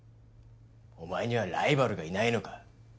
お前にはライバルがいないのか？